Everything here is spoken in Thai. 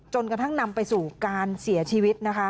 จนกระทั่งนำไปสู่การเสียชีวิตนะคะ